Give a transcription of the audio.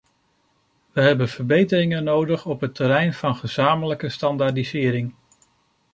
We hebben verbeteringen nodig op het terrein van gezamenlijke standaardisering.